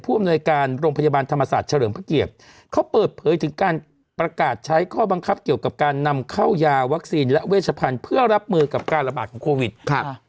อำนวยการโรงพยาบาลธรรมศาสตร์เฉลิมพระเกียรติเขาเปิดเผยถึงการประกาศใช้ข้อบังคับเกี่ยวกับการนำเข้ายาวัคซีนและเวชพันธุ์เพื่อรับมือกับการระบาดของโควิดค่ะ